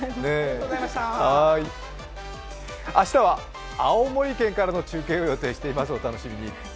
明日は青森県からの中継を予定しています。